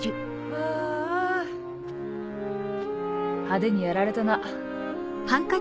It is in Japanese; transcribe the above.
派手にやられたな。